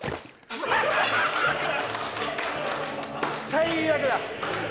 最悪だ。